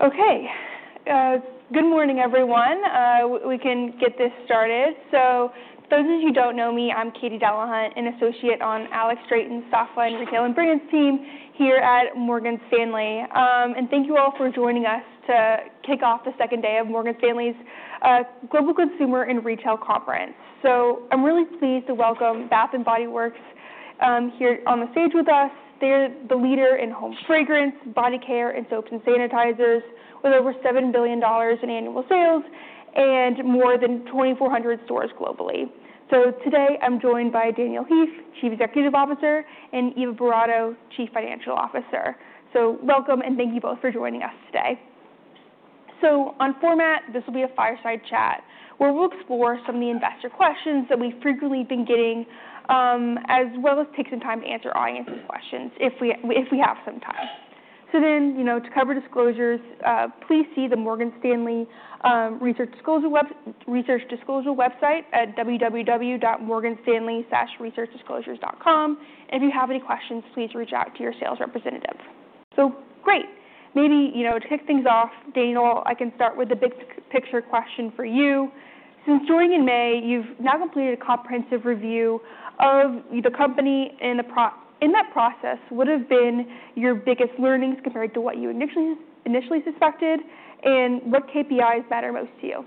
Okay. Good morning, everyone. We can get this started. So for those of you who don't know me, I'm Katie Delahunt, an associate on Alex Straton's softline retail and branding team here at Morgan Stanley. And thank you all for joining us to kick off the second day of Morgan Stanley's Global Consumer and Retail Conference. So I'm really pleased to welcome Bath & Body Works here on the stage with us. They're the leader in home fragrance, body care, and soaps and sanitizers with over $7 billion in annual sales and more than 2,400 stores globally. So today, I'm joined by Daniel Heaf, Chief Executive Officer, and Eva Boratto, Chief Financial Officer. So welcome, and thank you both for joining us today. So, on format, this will be a fireside chat where we'll explore some of the investor questions that we've frequently been getting, as well as take some time to answer audience's questions if we have some time. So then, to cover disclosures, please see the Morgan Stanley Research Disclosure website at www.morganstanley/researchdisclosures.com. And if you have any questions, please reach out to your sales representative. So great. Maybe to kick things off, Daniel, I can start with the big picture question for you. Since joining in May, you've now completed a comprehensive review of the company. In that process, what have been your biggest learnings compared to what you initially suspected, and what KPIs matter most to you?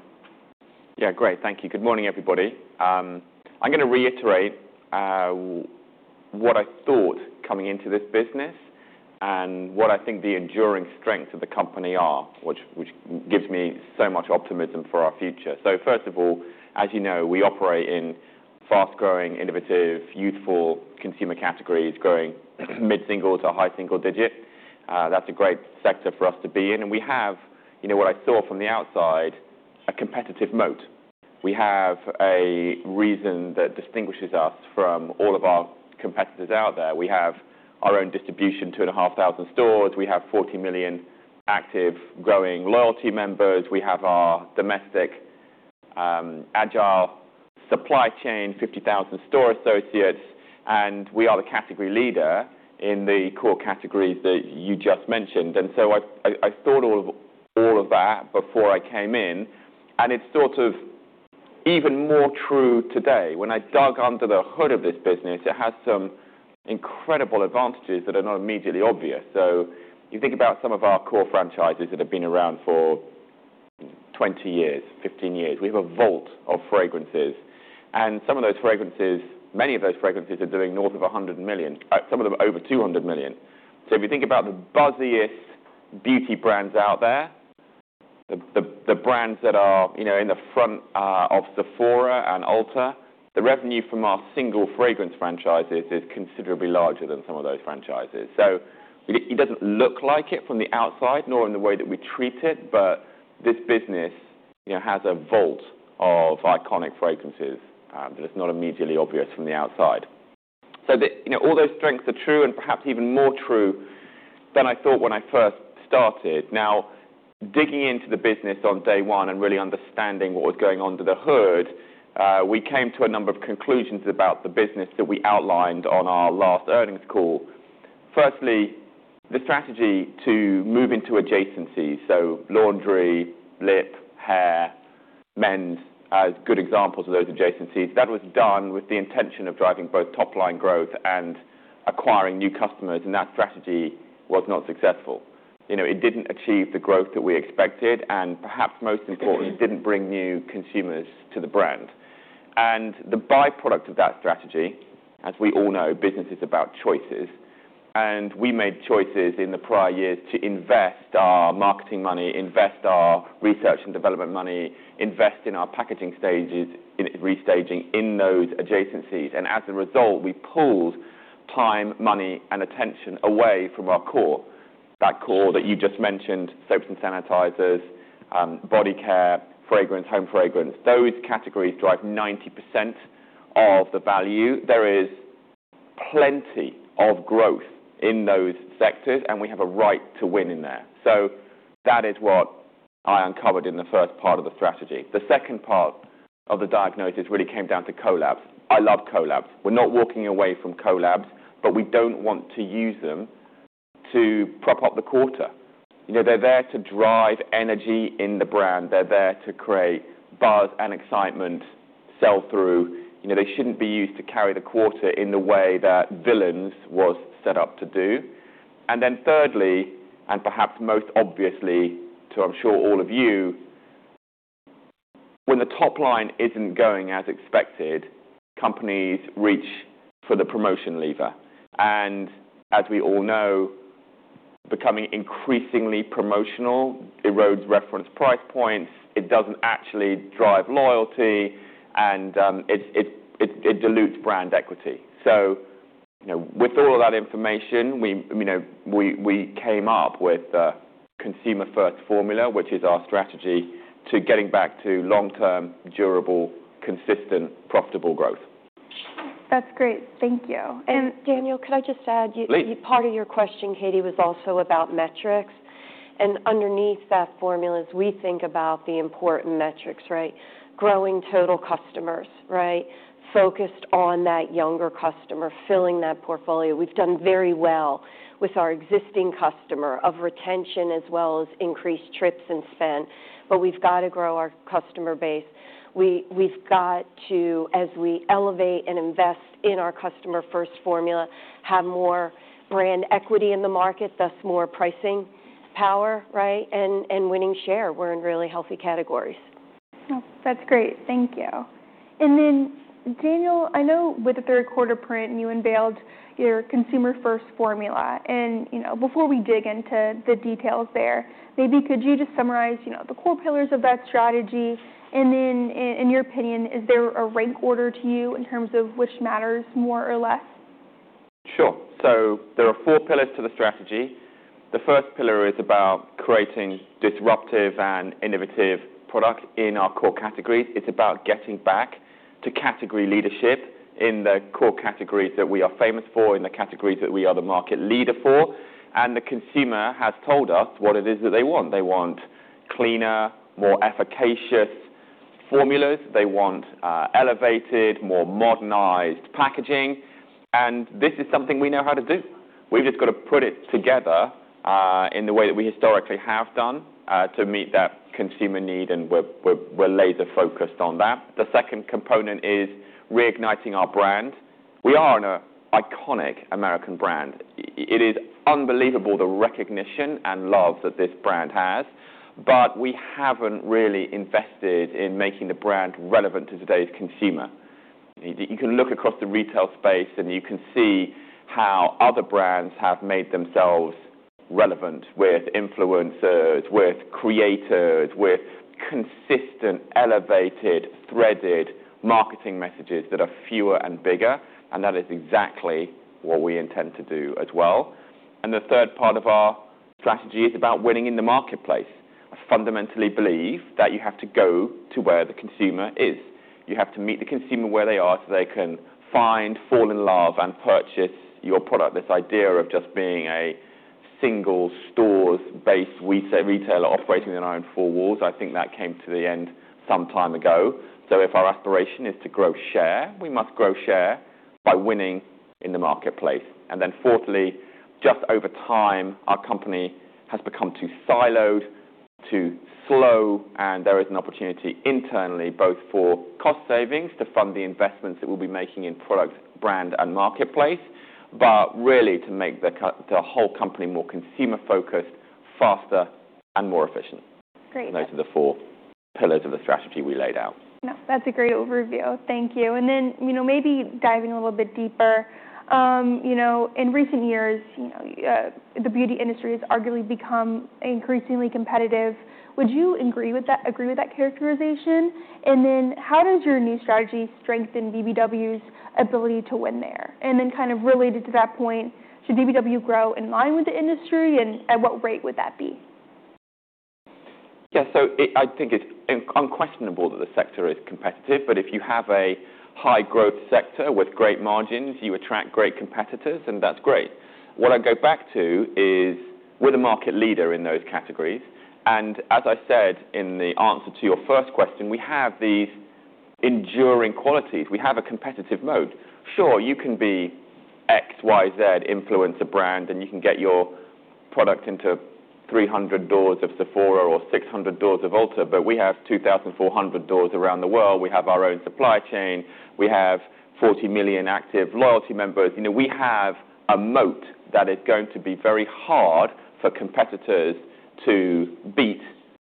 Yeah. Great. Thank you. Good morning, everybody. I'm going to reiterate what I thought coming into this business and what I think the enduring strengths of the company are, which gives me so much optimism for our future. So first of all, as you know, we operate in fast-growing, innovative, youthful consumer categories, growing mid-single-digit to high-single-digit. That's a great sector for us to be in. And we have, what I saw from the outside, a competitive moat. We have a reason that distinguishes us from all of our competitors out there. We have our own distribution, 2,500 stores. We have 40 million active, growing loyalty members. We have our domestic agile supply chain, 50,000 store associates. And we are the category leader in the core categories that you just mentioned. And so I thought all of that before I came in. It's sort of even more true today. When I dug under the hood of this business, it has some incredible advantages that are not immediately obvious. You think about some of our core franchises that have been around for 20 years, 15 years. We have a vault of fragrances. And some of those fragrances, many of those fragrances are doing north of $100 million. Some of them are over $200 million. You think about the buzziest beauty brands out there, the brands that are in the front of Sephora and Ulta, the revenue from our single fragrance franchises is considerably larger than some of those franchises. It doesn't look like it from the outside, nor in the way that we treat it. This business has a vault of iconic fragrances that is not immediately obvious from the outside. So all those strengths are true and perhaps even more true than I thought when I first started. Now, digging into the business on day one and really understanding what was going under the hood, we came to a number of conclusions about the business that we outlined on our last earnings call. Firstly, the strategy to move into adjacencies, so laundry, lip, hair, men's as good examples of those adjacencies, that was done with the intention of driving both top-line growth and acquiring new customers. And that strategy was not successful. It didn't achieve the growth that we expected. And perhaps most importantly, it didn't bring new consumers to the brand. And the byproduct of that strategy, as we all know, business is about choices. And we made choices in the prior years to invest our marketing money, invest our research and development money, invest in our packaging stages, and restaging in those adjacencies. And as a result, we pulled time, money, and attention away from our core. That core that you just mentioned, soaps and sanitizers, body care, fragrance, home fragrance, those categories drive 90% of the value. There is plenty of growth in those sectors, and we have a right to win in there. So that is what I uncovered in the first part of the strategy. The second part of the diagnosis really came down to collabs. I love collabs. We're not walking away from collabs, but we don't want to use them to prop up the quarter. They're there to drive energy in the brand. They're there to create buzz and excitement, sell through. They shouldn't be used to carry the quarter in the way that Villains was set up to do. And then thirdly, and perhaps most obviously to, I'm sure, all of you, when the top line isn't going as expected, companies reach for the promotion lever. And as we all know, becoming increasingly promotional erodes reference price points. It doesn't actually drive loyalty, and it dilutes brand equity. So with all of that information, we came up with the Consumer-First Formula, which is our strategy to getting back to long-term, durable, consistent, profitable growth. That's great. Thank you. And Daniel, could I just add? Please. Part of your question, Katie, was also about metrics, and underneath that formula is, we think, about the important metrics, right? Growing total customers, right? Focused on that younger customer, filling that portfolio. We've done very well with our existing customer retention as well as increased trips and spend, but we've got to grow our customer base. We've got to, as we elevate and invest in our Customer-First Formula, have more brand equity in the market, thus more pricing power, right, and winning share. We're in really healthy categories. That's great. Thank you. And then, Daniel, I know with the third-quarter print, you unveiled your consumer-first formula. And before we dig into the details there, maybe could you just summarize the core pillars of that strategy? And then, in your opinion, is there a rank order to you in terms of which matters more or less? Sure. So there are four pillars to the strategy. The first pillar is about creating disruptive and innovative products in our core categories. It's about getting back to category leadership in the core categories that we are famous for, in the categories that we are the market leader for, and the consumer has told us what it is that they want. They want cleaner, more efficacious formulas. They want elevated, more modernized packaging, and this is something we know how to do. We've just got to put it together in the way that we historically have done to meet that consumer need, and we're laser-focused on that. The second component is reigniting our brand. We are an iconic American brand. It is unbelievable the recognition and love that this brand has, but we haven't really invested in making the brand relevant to today's consumer. You can look across the retail space, and you can see how other brands have made themselves relevant with influencers, with creators, with consistent, elevated, threaded marketing messages that are fewer and bigger. And that is exactly what we intend to do as well. And the third part of our strategy is about winning in the marketplace. I fundamentally believe that you have to go to where the consumer is. You have to meet the consumer where they are so they can find, fall in love, and purchase your product. This idea of just being a single-stores-based retailer operating within our own four walls, I think that came to the end some time ago. So if our aspiration is to grow share, we must grow share by winning in the marketplace. And then fourthly, just over time, our company has become too siloed, too slow. There is an opportunity internally, both for cost savings to fund the investments that we'll be making in products, brand, and marketplace, but really to make the whole company more consumer-focused, faster, and more efficient. Great. Those are the four pillars of the strategy we laid out. Yeah. That's a great overview. Thank you. And then maybe diving a little bit deeper, in recent years, the beauty industry has arguably become increasingly competitive. Would you agree with that characterization? And then how does your new strategy strengthen BBW's ability to win there? And then kind of related to that point, should BBW grow in line with the industry? And at what rate would that be? Yeah. So I think it's unquestionable that the sector is competitive. But if you have a high-growth sector with great margins, you attract great competitors, and that's great. What I go back to is we're the market leader in those categories. And as I said in the answer to your first question, we have these enduring qualities. We have a competitive moat. Sure, you can be X, Y, Z influencer a brand, and you can get your product into 300 doors of Sephora or 600 doors of Ulta. But we have 2,400 doors around the world. We have our own supply chain. We have 40 million active loyalty members. We have a moat that is going to be very hard for competitors to beat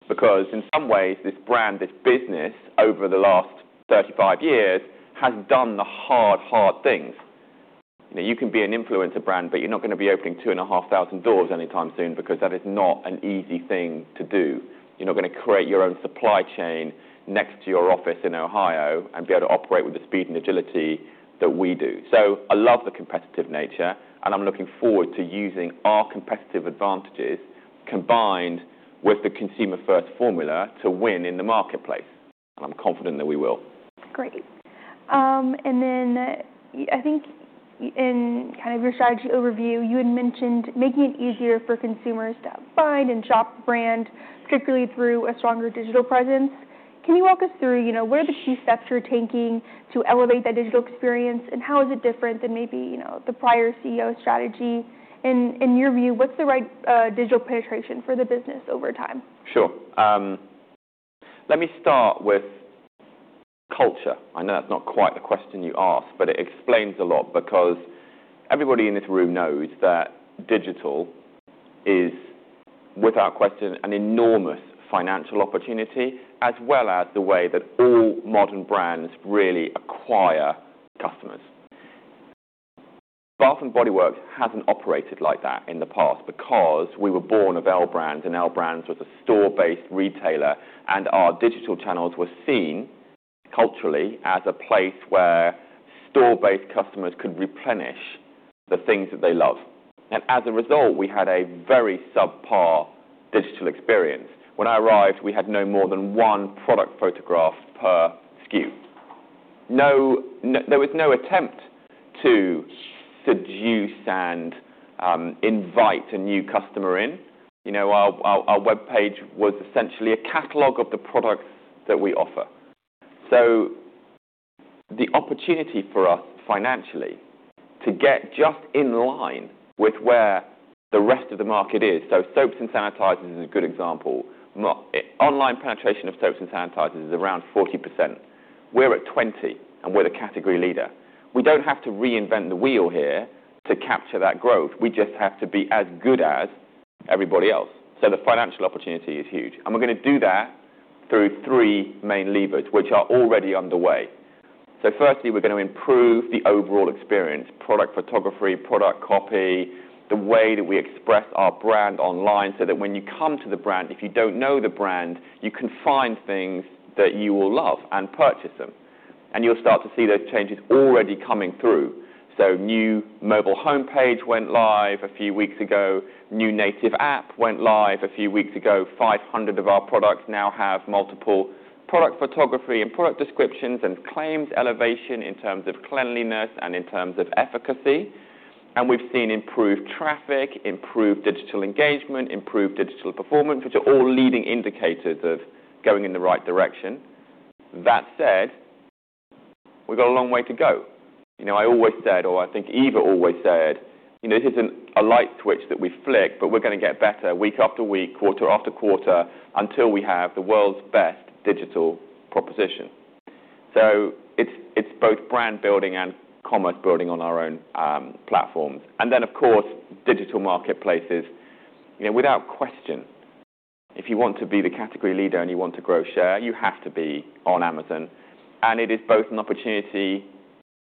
because in some ways, this brand, this business over the last 35 years has done the hard, hard things. You can be an influencer brand, but you're not going to be opening 2,500 doors anytime soon because that is not an easy thing to do. You're not going to create your own supply chain next to your office in Ohio and be able to operate with the speed and agility that we do. So I love the competitive nature, and I'm looking forward to using our competitive advantages combined with the consumer-first formula to win in the marketplace. And I'm confident that we will. Great. And then I think in kind of your strategy overview, you had mentioned making it easier for consumers to find and shop the brand, particularly through a stronger digital presence. Can you walk us through what are the key steps you're taking to elevate that digital experience? And how is it different than maybe the prior CEO strategy? In your view, what's the right digital penetration for the business over time? Sure. Let me start with culture. I know that's not quite the question you asked, but it explains a lot because everybody in this room knows that digital is, without question, an enormous financial opportunity, as well as the way that all modern brands really acquire customers. Bath & Body Works hasn't operated like that in the past because we were born of L Brands, and L Brands was a store-based retailer, and our digital channels were seen culturally as a place where store-based customers could replenish the things that they love, and as a result, we had a very subpar digital experience. When I arrived, we had no more than one product photograph per SKU. There was no attempt to seduce and invite a new customer in. Our web page was essentially a catalog of the products that we offer. The opportunity for us financially to get just in line with where the rest of the market is, so soaps and sanitizers is a good example. Online penetration of soaps and sanitizers is around 40%. We're at 20%, and we're the category leader. We don't have to reinvent the wheel here to capture that growth. We just have to be as good as everybody else. The financial opportunity is huge. We're going to do that through three main levers, which are already underway. Firstly, we're going to improve the overall experience: product photography, product copy, the way that we express our brand online so that when you come to the brand, if you don't know the brand, you can find things that you will love and purchase them. You'll start to see those changes already coming through. So new mobile homepage went live a few weeks ago. New native app went live a few weeks ago. 500 of our products now have multiple product photography and product descriptions and claims elevation in terms of cleanliness and in terms of efficacy. And we've seen improved traffic, improved digital engagement, improved digital performance, which are all leading indicators of going in the right direction. That said, we've got a long way to go. I always said, or I think Eva always said, "This isn't a light switch that we flick, but we're going to get better week after week, quarter after quarter until we have the world's best digital proposition." So it's both brand building and commerce building on our own platforms. And then, of course, digital marketplaces. Without question, if you want to be the category leader and you want to grow share, you have to be on Amazon. And it is both an opportunity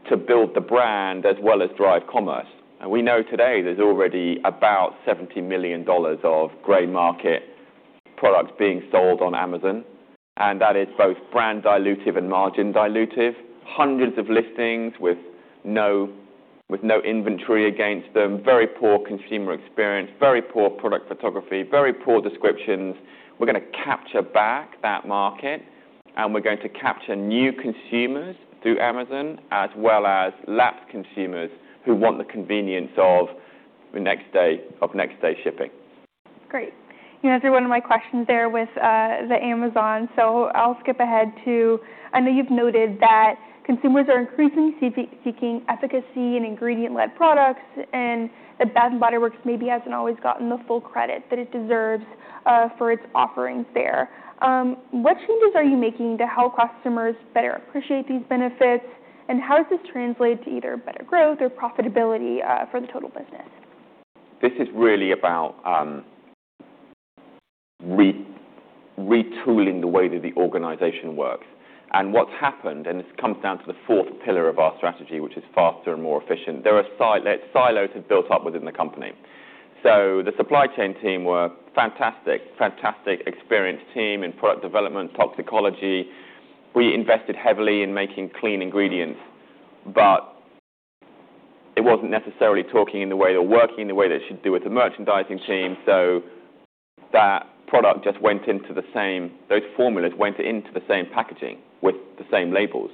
to build the brand as well as drive commerce. And we know today there's already about $70 million of grey market products being sold on Amazon. And that is both brand dilutive and margin dilutive. Hundreds of listings with no inventory against them. Very poor consumer experience. Very poor product photography. Very poor descriptions. We're going to capture back that market, and we're going to capture new consumers through Amazon as well as lapsed consumers who want the convenience of next-day shipping. Great. You answered one of my questions there with the Amazon. So I'll skip ahead to, I know you've noted that consumers are increasingly seeking efficacy and ingredient-led products, and that Bath & Body Works maybe hasn't always gotten the full credit that it deserves for its offerings there. What changes are you making to help customers better appreciate these benefits? And how does this translate to either better growth or profitability for the total business? This is really about retooling the way that the organization works, and what's happened, and this comes down to the fourth pillar of our strategy, which is faster and more efficient. There are silos that have built up within the company, so the supply chain team were a fantastic, fantastic experienced team in product development, toxicology. We invested heavily in making clean ingredients, but it wasn't necessarily talking in the way or working in the way that it should do with the merchandising team, so that product just went into the same. Those formulas went into the same packaging with the same labels,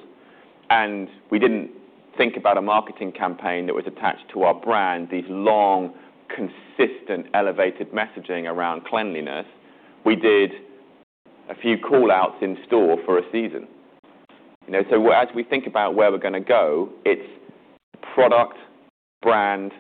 and we didn't think about a marketing campaign that was attached to our brand, these long, consistent, elevated messaging around cleanliness. We did a few callouts in-store for a season. As we think about where we're going to go, it's product, brand,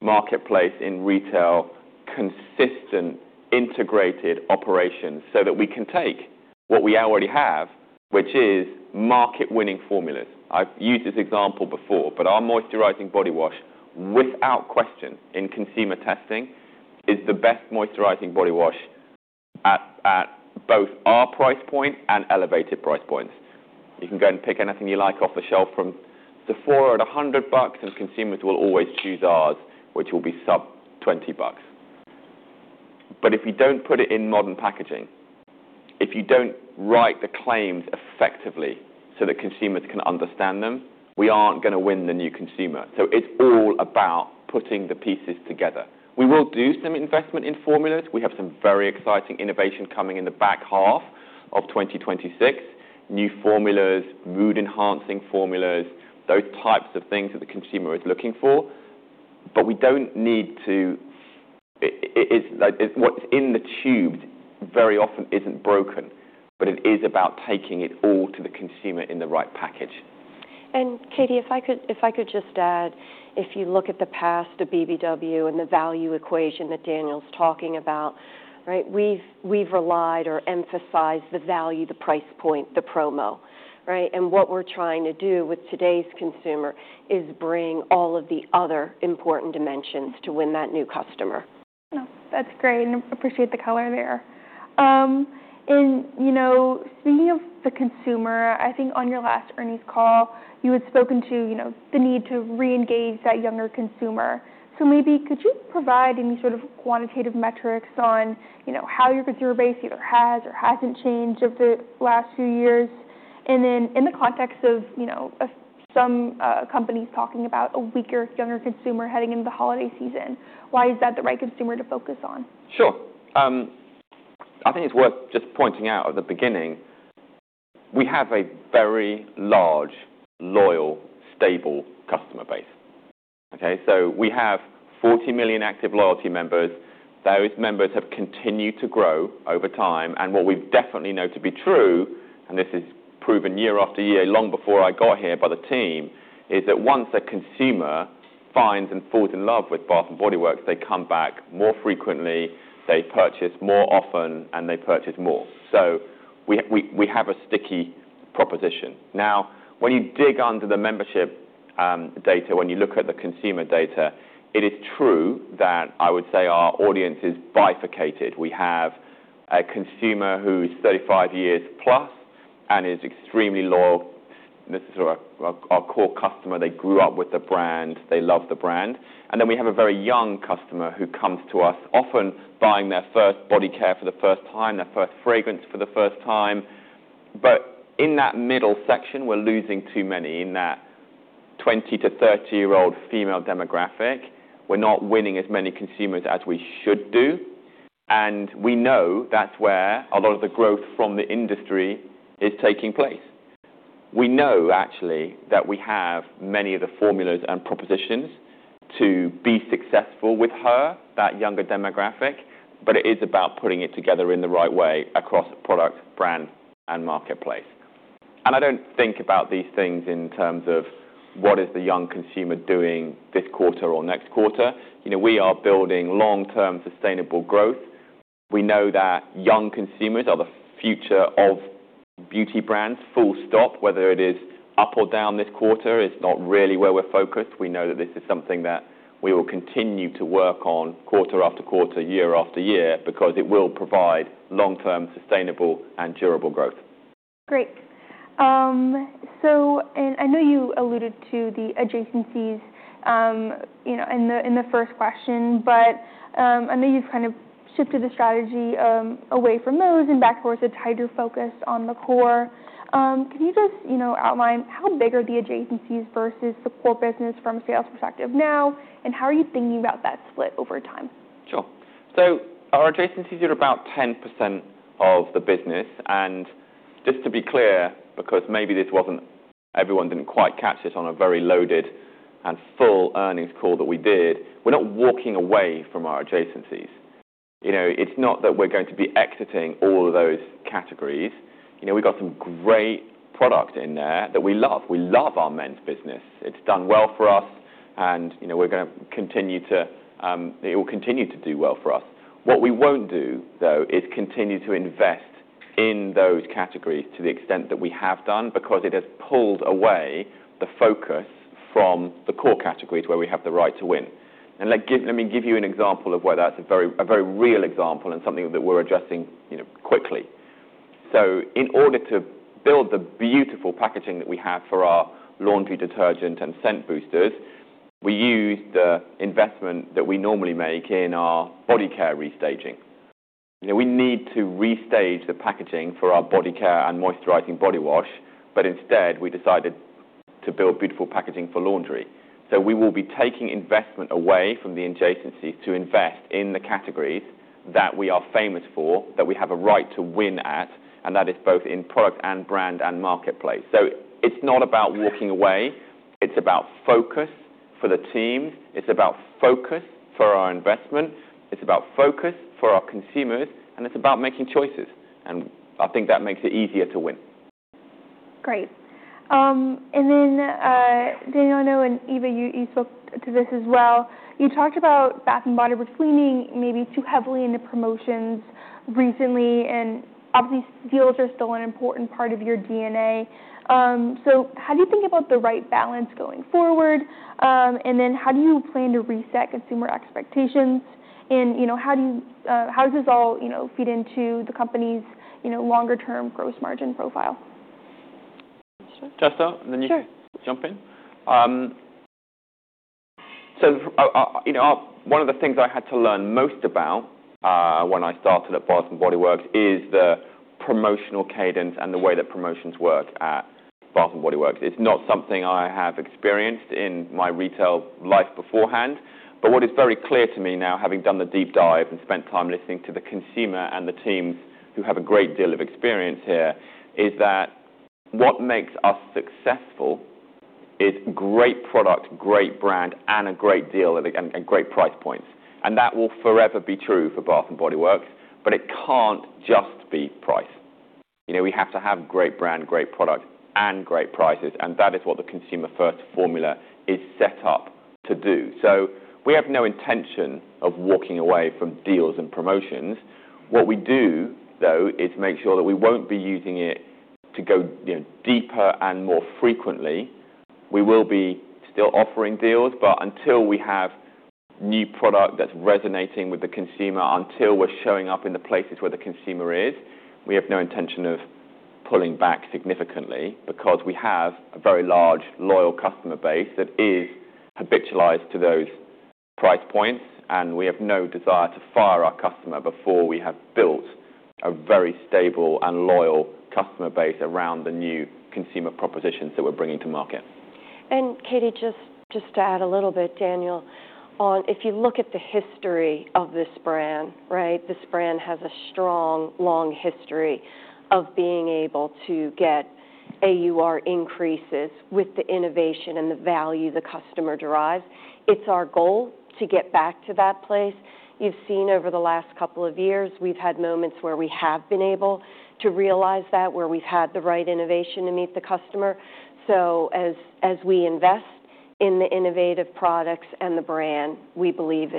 marketplace in retail, consistent, integrated operations so that we can take what we already have, which is market-winning formulas. I've used this example before, but our moisturizing body wash, without question, in consumer testing, is the best moisturizing body wash at both our price point and elevated price points. You can go and pick anything you like off the shelf from Sephora at $100, and consumers will always choose ours, which will be sub-$20. But if you don't put it in modern packaging, if you don't write the claims effectively so that consumers can understand them, we aren't going to win the new consumer. So it's all about putting the pieces together. We will do some investment in formulas. We have some very exciting innovation coming in the back half of 2026: new formulas, mood-enhancing formulas, those types of things that the consumer is looking for. But we don't need to. What's in the tube very often isn't broken, but it is about taking it all to the consumer in the right package. And Katie, if I could just add, if you look at the past of BBW and the value equation that Daniel's talking about, right? We've relied or emphasized the value, the price point, the promo, right? And what we're trying to do with today's consumer is bring all of the other important dimensions to win that new customer. No, that's great. I appreciate the color there. And speaking of the consumer, I think on your last earnings call, you had spoken to the need to reengage that younger consumer. So maybe could you provide any sort of quantitative metrics on how your consumer base either has or hasn't changed over the last few years? And then in the context of some companies talking about a weaker younger consumer heading into the holiday season, why is that the right consumer to focus on? Sure. I think it's worth just pointing out at the beginning, we have a very large, loyal, stable customer base. Okay? So we have 40 million active loyalty members. Those members have continued to grow over time. And what we definitely know to be true, and this is proven year after year, long before I got here by the team, is that once a consumer finds and falls in love with Bath & Body Works, they come back more frequently, they purchase more often, and they purchase more. So we have a sticky proposition. Now, when you dig under the membership data, when you look at the consumer data, it is true that I would say our audience is bifurcated. We have a consumer who's 35 years plus and is extremely loyal. This is our core customer. They grew up with the brand. They love the brand. Then we have a very young customer who comes to us often buying their first body care for the first time, their first fragrance for the first time. But in that middle section, we're losing too many in that 20-30-year-old female demographic. We're not winning as many consumers as we should do. And we know that's where a lot of the growth from the industry is taking place. We know, actually, that we have many of the formulas and propositions to be successful with her, that younger demographic, but it is about putting it together in the right way across product, brand, and marketplace. And I don't think about these things in terms of what is the young consumer doing this quarter or next quarter. We are building long-term sustainable growth. We know that young consumers are the future of beauty brands. Full stop. Whether it is up or down this quarter is not really where we're focused. We know that this is something that we will continue to work on quarter after quarter, year after year because it will provide long-term sustainable and durable growth. Great. And I know you alluded to the adjacencies in the first question, but I know you've kind of shifted the strategy away from those and back towards a tighter focus on the core. Can you just outline how big are the adjacencies versus the core business from a sales perspective now, and how are you thinking about that split over time? Sure. So our adjacencies are about 10% of the business. And just to be clear, because maybe this wasn't everyone didn't quite catch this on a very loaded and full earnings call that we did, we're not walking away from our adjacencies. It's not that we're going to be exiting all of those categories. We've got some great product in there that we love. We love our men's business. It's done well for us, and we're going to continue to it will continue to do well for us. What we won't do, though, is continue to invest in those categories to the extent that we have done because it has pulled away the focus from the core categories where we have the right to win. And let me give you an example of why that's a very real example and something that we're addressing quickly. So in order to build the beautiful packaging that we have for our laundry detergent and scent boosters, we use the investment that we normally make in our body care restaging. We need to restage the packaging for our body care and moisturizing body wash, but instead, we decided to build beautiful packaging for laundry. So we will be taking investment away from the adjacencies to invest in the categories that we are famous for, that we have a right to win at, and that is both in product and brand and marketplace. So it's not about walking away. It's about focus for the teams. It's about focus for our investment. It's about focus for our consumers, and it's about making choices. And I think that makes it easier to win. Great. And then Daniel, I know and Eva, you spoke to this as well. You talked about Bath & Body Works leaning maybe too heavily into promotions recently, and obviously, deals are still an important part of your DNA. So how do you think about the right balance going forward? And then how do you plan to reset consumer expectations? And how does this all feed into the company's longer-term gross margin profile? Just to, and then you jump in. So one of the things I had to learn most about when I started at Bath & Body Works is the promotional cadence and the way that promotions work at Bath & Body Works. It's not something I have experienced in my retail life beforehand. But what is very clear to me now, having done the deep dive and spent time listening to the consumer and the teams who have a great deal of experience here, is that what makes us successful is great product, great brand, and a great deal and great price points. And that will forever be true for Bath & Body Works, but it can't just be price. We have to have great brand, great product, and great prices, and that is what the Consumer-First Formula is set up to do. We have no intention of walking away from deals and promotions. What we do, though, is make sure that we won't be using it to go deeper and more frequently. We will be still offering deals, but until we have new product that's resonating with the consumer, until we're showing up in the places where the consumer is, we have no intention of pulling back significantly because we have a very large loyal customer base that is habitualized to those price points, and we have no desire to fire our customer before we have built a very stable and loyal customer base around the new consumer propositions that we're bringing to market. Katie, just to add a little bit, Daniel, if you look at the history of this brand, right, this brand has a strong long history of being able to get AUR increases with the innovation and the value the customer derives. It's our goal to get back to that place. You've seen over the last couple of years, we've had moments where we have been able to realize that, where we've had the right innovation to meet the customer. So as we invest in the innovative products and the brand, we believe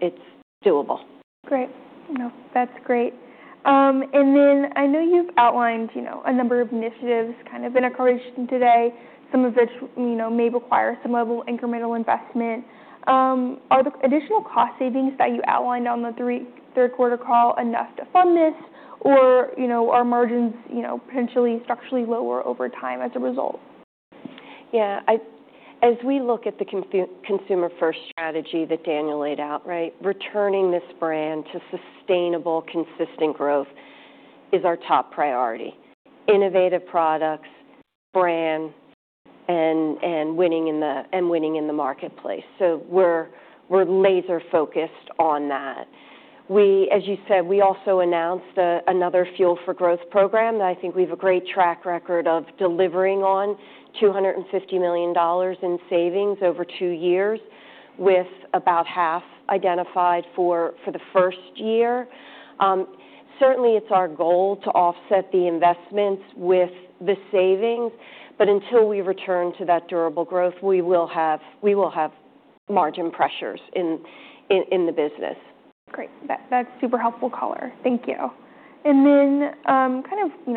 it's doable. Great. No, that's great. And then I know you've outlined a number of initiatives kind of in accordance today, some of which may require some level of incremental investment. Are the additional cost savings that you outlined on the third-quarter call enough to fund this, or are margins potentially structurally lower over time as a result? Yeah. As we look at the consumer-first strategy that Daniel laid out, right, returning this brand to sustainable, consistent growth is our top priority: innovative products, brand, and winning in the marketplace. So we're laser-focused on that. As you said, we also announced another fuel for growth program that I think we have a great track record of delivering on: $250 million in savings over two years, with about half identified for the first year. Certainly, it's our goal to offset the investments with the savings, but until we return to that durable growth, we will have margin pressures in the business. Great. That's super helpful color. Thank you. Then kind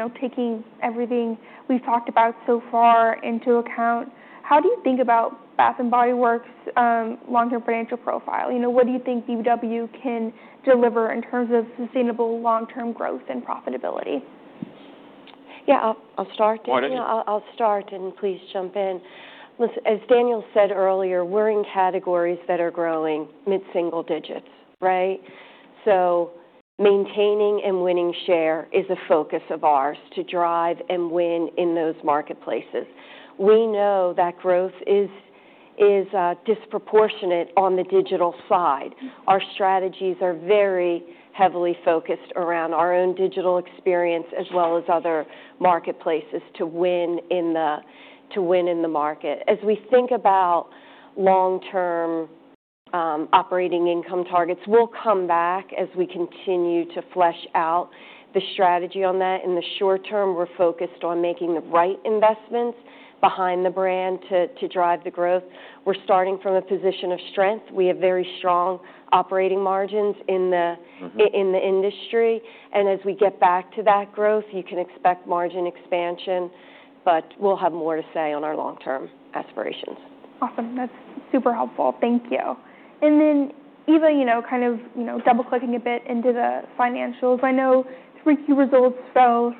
of taking everything we've talked about so far into account, how do you think about Bath & Body Works' long-term financial profile? What do you think BBW can deliver in terms of sustainable long-term growth and profitability? Yeah. I'll start. Why don't you? I'll start, and please jump in. As Daniel said earlier, we're in categories that are growing mid-single digits, right? So maintaining and winning share is a focus of ours to drive and win in those marketplaces. We know that growth is disproportionate on the digital side. Our strategies are very heavily focused around our own digital experience as well as other marketplaces to win in the market. As we think about long-term operating income targets, we'll come back as we continue to flesh out the strategy on that. In the short term, we're focused on making the right investments behind the brand to drive the growth. We're starting from a position of strength. We have very strong operating margins in the industry. And as we get back to that growth, you can expect margin expansion, but we'll have more to say on our long-term aspirations. Awesome. That's super helpful. Thank you. And then even kind of double-clicking a bit into the financials, I know three key results fell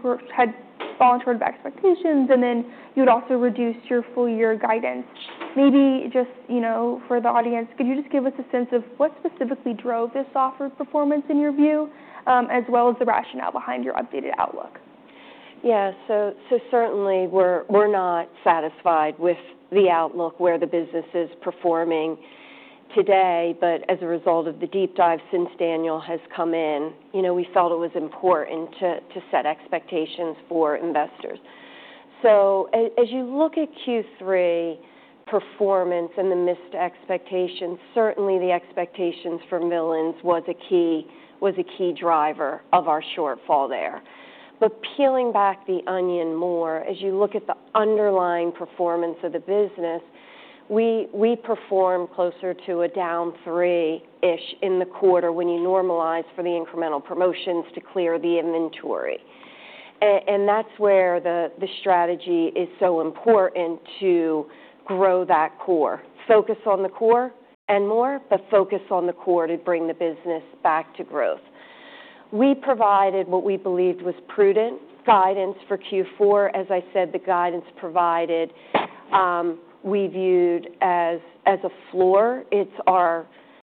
or had fallen short of expectations, and then you'd also reduced your full-year guidance. Maybe just for the audience, could you just give us a sense of what specifically drove this softer performance in your view, as well as the rationale behind your updated outlook? Yeah. So certainly, we're not satisfied with the outlook where the business is performing today, but as a result of the deep dive since Daniel has come in, we felt it was important to set expectations for investors. So as you look at Q3 performance and the missed expectations, certainly the expectations for Villains was a key driver of our shortfall there. But peeling back the onion more, as you look at the underlying performance of the business, we performed closer to a down three-ish in the quarter when you normalize for the incremental promotions to clear the inventory. And that's where the strategy is so important to grow that core. Focus on the core and more, but focus on the core to bring the business back to growth. We provided what we believed was prudent guidance for Q4. As I said, the guidance provided we viewed as a floor. It's our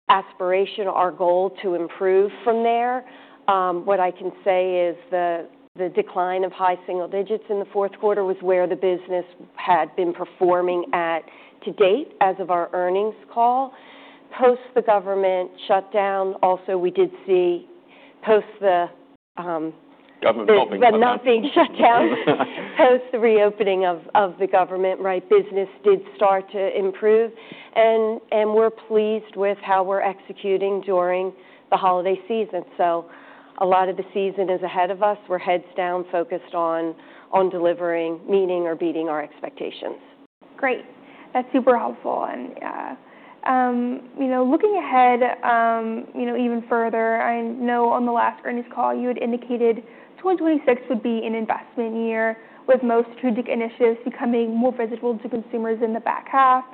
aspiration, our goal to improve from there. What I can say is the decline of high single digits in the fourth quarter was where the business had been performing at to date as of our earnings call. Post the government shutdown, also we did see post the. Government not being shut down. Not being shut down post the reopening of the government, right? Business did start to improve. And we're pleased with how we're executing during the holiday season. So a lot of the season is ahead of us. We're heads down, focused on delivering, meeting, or beating our expectations. Great. That's super helpful. And looking ahead even further, I know on the last earnings call, you had indicated 2026 would be an investment year with most strategic initiatives becoming more visible to consumers in the back half.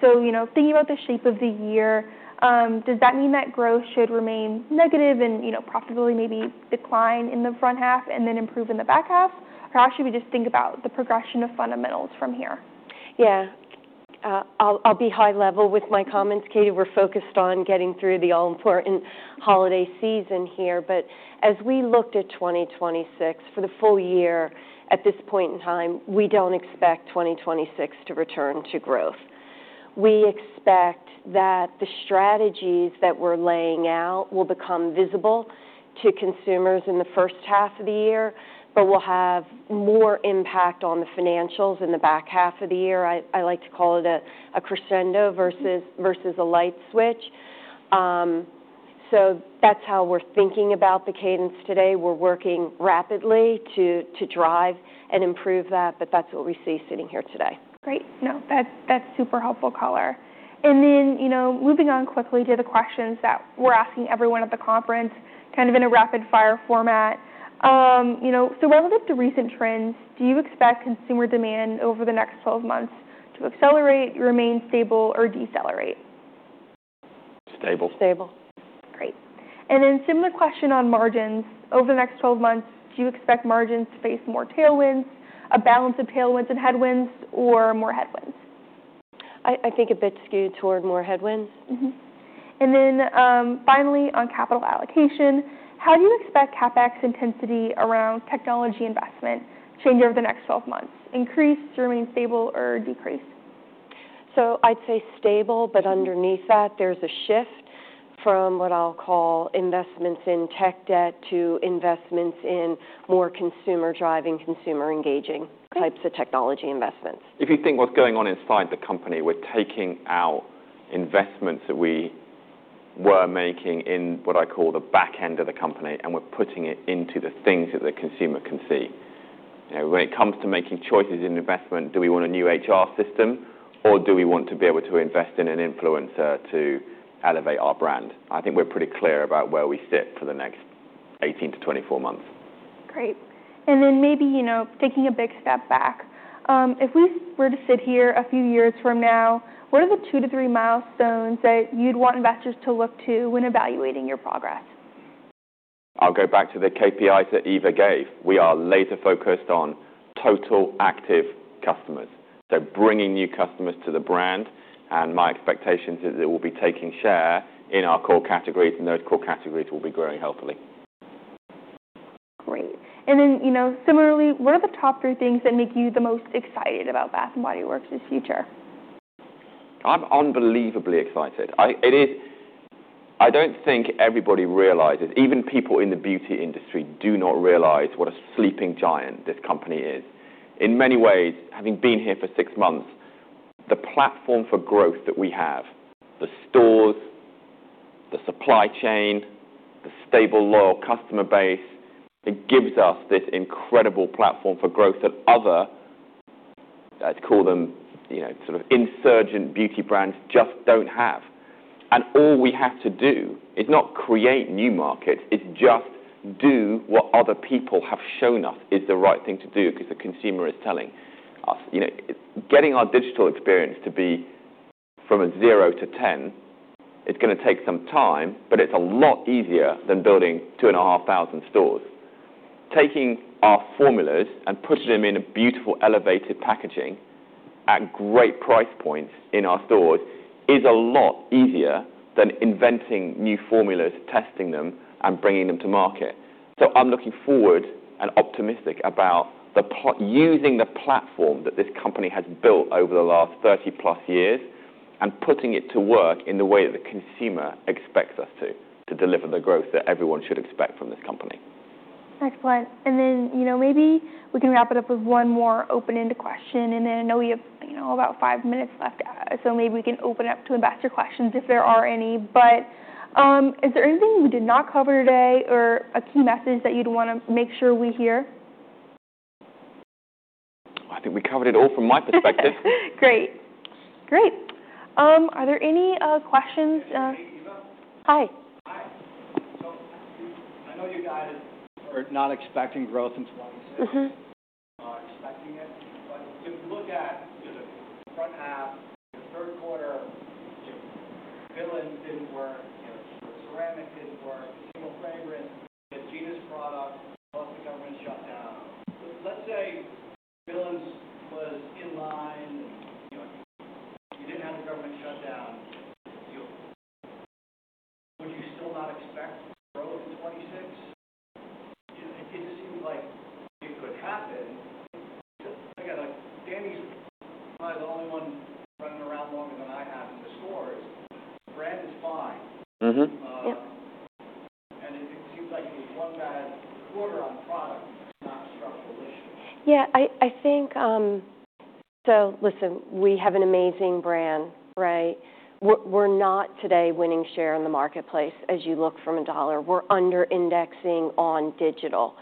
So thinking about the shape of the year, does that mean that growth should remain negative and profitability maybe decline in the front half and then improve in the back half? Or how should we just think about the progression of fundamentals from here? Yeah. I'll be high level with my comments. Katie, we're focused on getting through the all-important holiday season here. But as we looked at 2026 for the full year at this point in time, we don't expect 2026 to return to growth. We expect that the strategies that we're laying out will become visible to consumers in the first half of the year, but we'll have more impact on the financials in the back half of the year. I like to call it a crescendo versus a light switch. So that's how we're thinking about the cadence today. We're working rapidly to drive and improve that, but that's what we see sitting here today. Great. No, that's super helpful color. And then moving on quickly to the questions that we're asking everyone at the conference kind of in a rapid-fire format. So relative to recent trends, do you expect consumer demand over the next 12 months to accelerate, remain stable, or decelerate? Stable. Stable. Great. And then similar question on margins. Over the next 12 months, do you expect margins to face more tailwinds, a balance of tailwinds and headwinds, or more headwinds? I think a bit skewed toward more headwinds. And then finally, on capital allocation, how do you expect CapEx intensity around technology investment to change over the next 12 months? Increase, remain stable, or decrease? So I'd say stable, but underneath that, there's a shift from what I'll call investments in tech debt to investments in more consumer-driving, consumer-engaging types of technology investments. If you think what's going on inside the company, we're taking out investments that we were making in what I call the back end of the company, and we're putting it into the things that the consumer can see. When it comes to making choices in investment, do we want a new HR system, or do we want to be able to invest in an influencer to elevate our brand? I think we're pretty clear about where we sit for the next 18-24 months. Great. And then maybe taking a big step back, if we were to sit here a few years from now, what are the two to three milestones that you'd want investors to look to when evaluating your progress? I'll go back to the KPIs that Eva gave. We are laser focused on total active customers. So bringing new customers to the brand, and my expectation is that we'll be taking share in our core categories, and those core categories will be growing healthily. Great. And then similarly, what are the top three things that make you the most excited about Bath & Body Works' future? I'm unbelievably excited. I don't think everybody realizes, even people in the beauty industry do not realize what a sleeping giant this company is. In many ways, having been here for six months, the platform for growth that we have, the stores, the supply chain, the stable, loyal customer base, it gives us this incredible platform for growth that other, let's call them sort of insurgent beauty brands, just don't have, and all we have to do is not create new markets. It's just do what other people have shown us is the right thing to do because the consumer is telling us. Getting our digital experience to be from a zero to 10 is going to take some time, but it's a lot easier than building two and a half thousand stores. Taking our formulas and putting them in a beautiful elevated packaging at great price points in our stores is a lot easier than inventing new formulas, testing them, and bringing them to market. So I'm looking forward and optimistic about using the platform that this company has built over the last 30+ years and putting it to work in the way that the consumer expects us to, to deliver the growth that everyone should expect from this company. Excellent. And then maybe we can wrap it up with one more open-ended question. And then I know we have about five minutes left, so maybe we can open it up to investor questions if there are any. But is there anything we did not cover today or a key message that you'd want to make sure we hear? I think we covered it all from my perspective. Great. Great. Are there any questions? Hi. Hi. So I know you guys are not expecting growth in 2026. You're expecting it. But if you look at the front half, the third quarter, Villains didn't work. Ceramics didn't work. Single fragrance, the genus product, plus the government shutdown. Let's say Villains was in line, and you didn't have the government shutdown, would you still not expect growth in 2026? It just seems like it could happen. Again, Danny's probably the only one running around longer than I have in the stores. Brand is fine. And it seems like it was one bad quarter on product that's not structural issues. Yeah. So listen, we have an amazing brand, right? We're not today winning share in the marketplace as you look from a dollar. We're under-indexing on digital.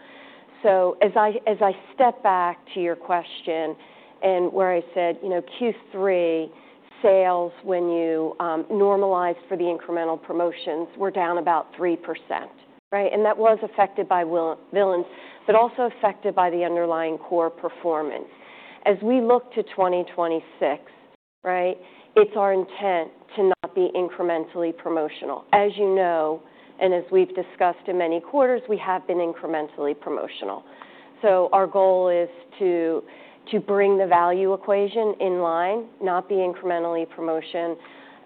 So as I step back to your question and where I said Q3 sales when you normalized for the incremental promotions, we're down about 3%, right? And that was affected by Villains but also affected by the underlying core performance. As we look to 2026, right, it's our intent to not be incrementally promotional. As you know, and as we've discussed in many quarters, we have been incrementally promotional. So our goal is to bring the value equation in line, not be incrementally promotional.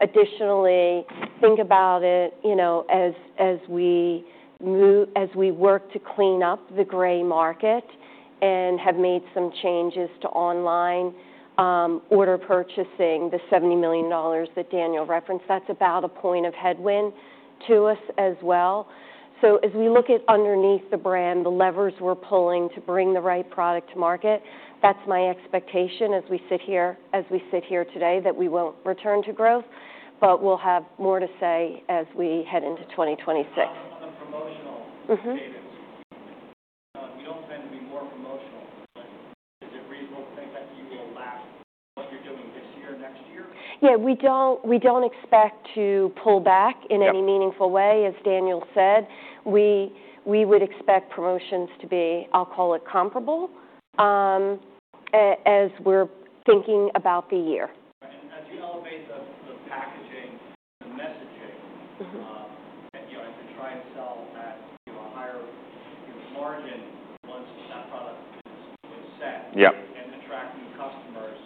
Additionally, think about it as we work to clean up the gray market and have made some changes to online order purchasing, the $70 million that Daniel referenced. That's about a point of headwind to us as well. So as we look at underneath the brand, the levers we're pulling to bring the right product to market, that's my expectation as we sit here today that we won't return to growth, but we'll have more to say as we head into 2026. We're talking about the promotional cadence. We don't plan to be more promotional. Is it reasonable to think that you will stick with what you're doing this year and next year? Yeah. We don't expect to pull back in any meaningful way. As Daniel said, we would expect promotions to be, I'll call it comparable, as we're thinking about the year. And as you elevate the packaging, the messaging, and to try and sell at a higher margin once that product is set and attracting customers.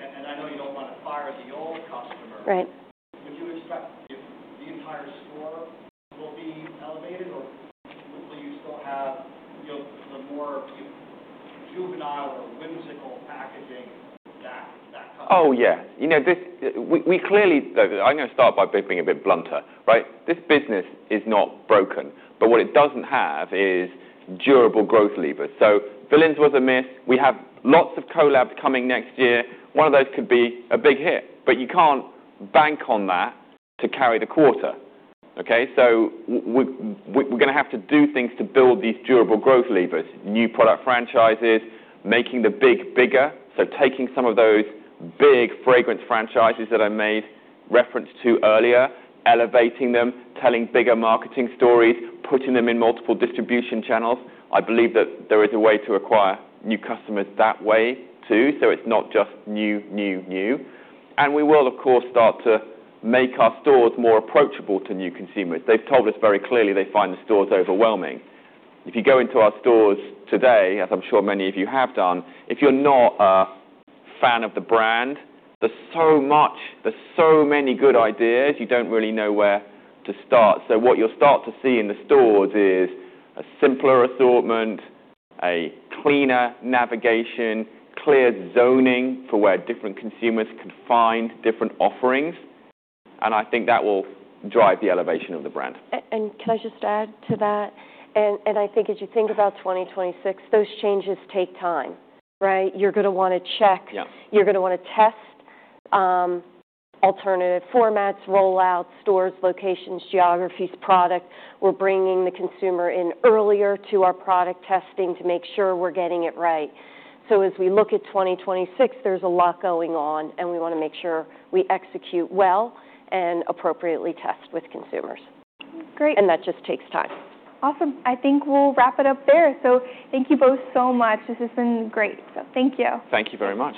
And I know you don't want to fire the old customer. Would you expect the entire store will be elevated, or will you still have the more juvenile or whimsical packaging that customer? Oh, yeah. We clearly, though, I'm going to start by being a bit blunter, right? This business is not broken, but what it doesn't have is durable growth levers. So Villains was a miss. We have lots of collabs coming next year. One of those could be a big hit, but you can't bank on that to carry the quarter, okay? So we're going to have to do things to build these durable growth levers, new product franchises, making the big bigger. So taking some of those big fragrance franchises that I made reference to earlier, elevating them, telling bigger marketing stories, putting them in multiple distribution channels. I believe that there is a way to acquire new customers that way too, so it's not just new, new, new. And we will, of course, start to make our stores more approachable to new consumers. They've told us very clearly they find the stores overwhelming. If you go into our stores today, as I'm sure many of you have done, if you're not a fan of the brand, there's so many good ideas, you don't really know where to start, so what you'll start to see in the stores is a simpler assortment, a cleaner navigation, clear zoning for where different consumers can find different offerings, and I think that will drive the elevation of the brand. And can I just add to that? And I think as you think about 2026, those changes take time, right? You're going to want to check. You're going to want to test alternative formats, rollouts, stores, locations, geographies, product. We're bringing the consumer in earlier to our product testing to make sure we're getting it right. So as we look at 2026, there's a lot going on, and we want to make sure we execute well and appropriately test with consumers. And that just takes time. Awesome. I think we'll wrap it up there. So thank you both so much. This has been great. So thank you. Thank you very much.